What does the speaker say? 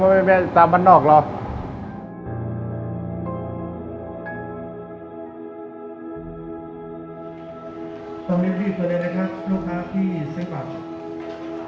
ตรงนี้พี่สุดีนะครับลูกค้าที่เซียงปรับ